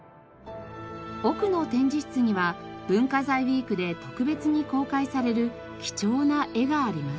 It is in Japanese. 奥の展示室には文化財ウィークで特別に公開される貴重な絵があります。